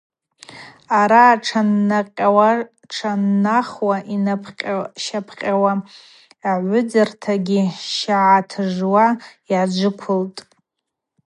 Араъа тшаннакъьауа-тшаннахуа, йнапӏкъьа-щапӏкъьауа, агӏвыдзартакӏгьи ща гӏартыжжуа йджвыквылтӏ.